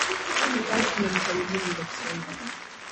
Kwangu kuna vitabu vingi vya kiswahili.